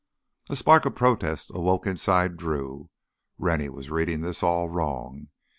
A spark of protest awoke inside Drew. Rennie was reading this all wrong.